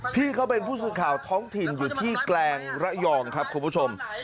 พี่เขาเป็นผู้สื่อข่าวท้องถิ่นอยู่ที่แกลงระยองครับคุณผู้ชม